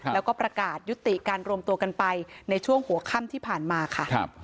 แล้วก็ประกาศยุติการรวมตัวกันไปในช่วงหัวค่ำที่ผ่านมาค่ะ